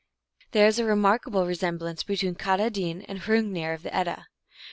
There is a remarkable resemblance between Katah din and Hrungiiir of the Edda.